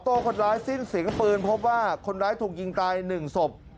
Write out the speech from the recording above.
ตอนนี้ก็ยิ่งแล้ว